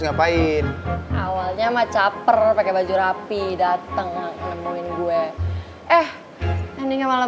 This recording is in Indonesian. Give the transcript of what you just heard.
ngapain awalnya sama caper pakai baju rapi datang nemuin gue eh sandinya malah